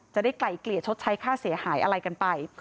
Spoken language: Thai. ไกล่เกลี่ยชดใช้ค่าเสียหายอะไรกันไป